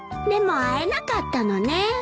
でも会えなかったのね。